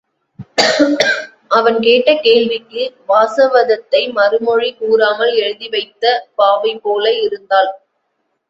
அவன் கேட்ட கேள்விக்கு வாசவதத்தை மறுமொழி கூறாமல் எழுதிவைத்த பாவைபோல இருந்தாள்.